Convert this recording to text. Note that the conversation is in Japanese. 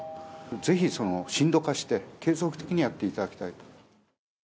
ぜひ深度化して継続的にやっていただきたいと。